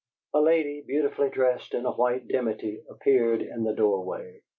A lady beautifully dressed in white dimity appeared in the doorway.